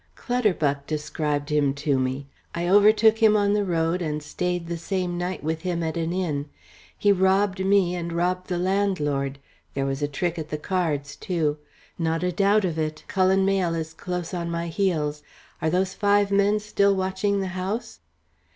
"Clutterbuck described him to me. I overtook him on the road, and stayed the same night with him at an inn. He robbed me and robbed the landlord. There was a trick at the cards, too. Not a doubt of it, Cullen Mayle is close on my heels. Are those five men still watching the house?"